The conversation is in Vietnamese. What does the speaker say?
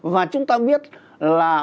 và chúng ta biết là